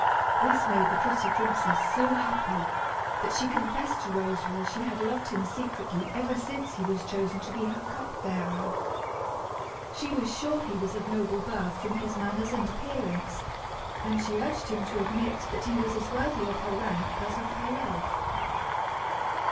This made the pretty princess so happy, that she confessed to Roswal she had loved him secretly ever since he was chosen to be her cup bearer. She was sure he was of noble birth from his manners and appearance; and she urged him to admit that he was as worthy of her rank as of her love.